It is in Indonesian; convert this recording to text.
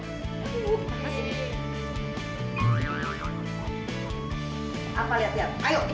aduh gimana sih ini